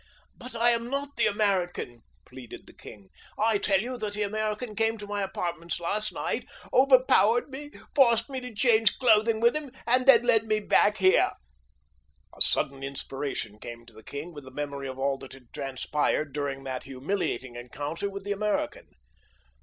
"But I am not the American," pleaded the king. "I tell you that the American came to my apartments last night, overpowered me, forced me to change clothing with him, and then led me back here." A sudden inspiration came to the king with the memory of all that had transpired during that humiliating encounter with the American.